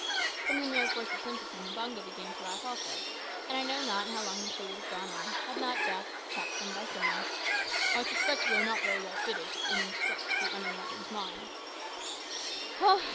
From the mere force of sympathy Mbango began to laugh also, and I know not how long the two would have gone on, had not Jack checked them by saying "I suspect we are not very well fitted to instruct the unenlightened mind," ("Ho hi!"